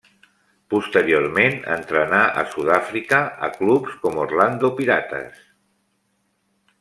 Posteriorment entrenà a Sud-àfrica, a clubs com Orlando Pirates.